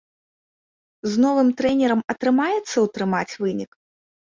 З новым трэнерам атрымаецца ўтрымаць вынік?